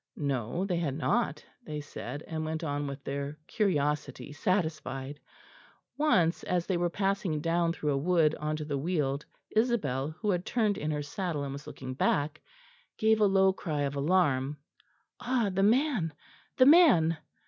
No, they had not, they said; and went on with their curiosity satisfied. Once, as they were passing down through a wood on to the Weald, Isabel, who had turned in her saddle, and was looking back, gave a low cry of alarm. "Ah! the man, the man!"